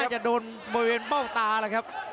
น่าจะโดนบริเวณเป้าตาแหละครับ